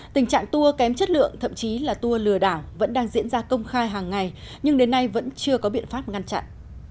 tình trạng tour kém chất lượng thậm chí là tour lừa đảo vẫn đang diễn ra công khai hàng ngày nhưng đến nay vẫn chưa có biện pháp ngăn chặn